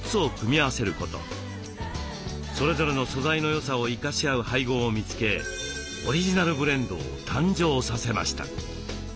それぞれの素材のよさを生かし合う配合を見つけオリジナルブレンドを誕生させました。